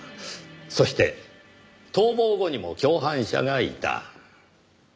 そして逃亡後にも共犯者がいた。